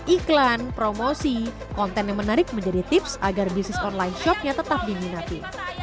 iklan promosi konten yang menarik menjadi tips agar bisnis online shopnya tetap diminati